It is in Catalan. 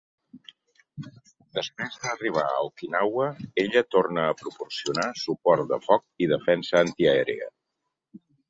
Després d'arribar a Okinawa, ella torna a proporcionar suport de foc i defensa antiaèria.